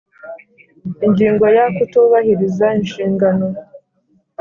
Ingingo ya kutubahiriza inshingano